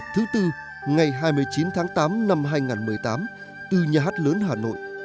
thứ tư ngày hai mươi chín tháng tám năm hai nghìn một mươi tám từ nhà hát lớn hà nội